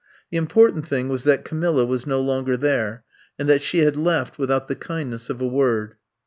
The important thing was that Camilla was no longer there, and that she had left without the kindness of a word.